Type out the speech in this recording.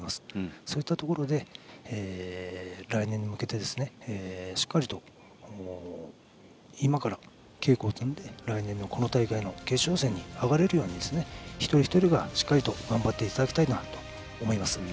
そういったところで来年に向けてしっかりと今から稽古を積んで来年のこの大会の決勝戦に上がれるように一人一人がしっかり頑張っていただきたいと思います。